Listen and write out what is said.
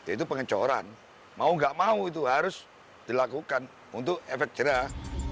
itu pengecoran mau nggak mau itu harus dilakukan untuk efek jerah